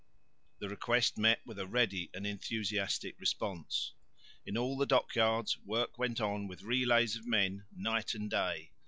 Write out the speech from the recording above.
The request met with a ready and enthusiastic response. In all the dockyards work went on with relays of men night and day.